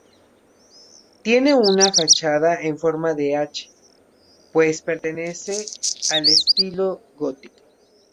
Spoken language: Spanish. Tiene una fachada en forma de hache, pues pertenece al estilo gótico.